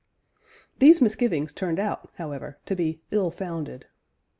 These misgivings turned out, however, to be ill founded.